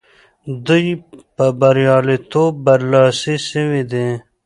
دوی په بریالیتوب برلاسي سوي دي.